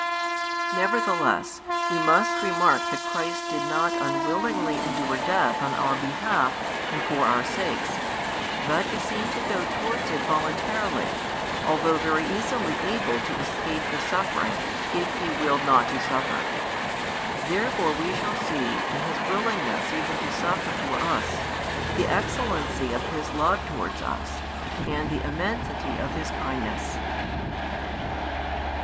Nevertheless we must remark that Christ did not unwillingly endure death on our behalf and for our sakes, but is seen to go towards it voluntarily, although very easily able |87 to escape the suffering, if He willed not to suffer. Therefore we shall see, in His willingness even to suffer for us, the excellency of His love towards us and the immensity of His kindness.